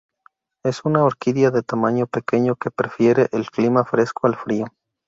Es una orquídea de tamaño pequeño que prefiere el clima fresco al frío.